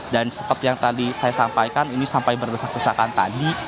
dan seperti yang tadi saya sampaikan ini sampai berdesak desakan tadi